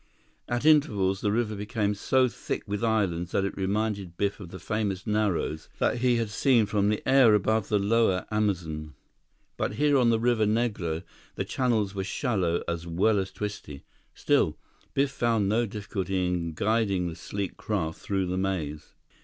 At intervals, the river became so thick with islands that it reminded Biff of the famous Narrows that he had seen from the air above the lower Amazon. But here on the Rio Negro, the channels were shallow as well as twisty. Still, Biff found no difficulty in guiding the sleek craft through the maze.